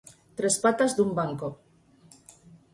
Tres patas dun banco.